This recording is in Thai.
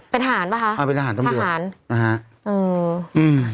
เป็นทหารป่ะคะอ่าเป็นทหารตำรวจทหารนะฮะเอออืม